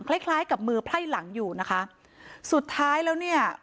คล้ายคล้ายกับมือไพร่หลังอยู่นะคะสุดท้ายแล้วเนี่ย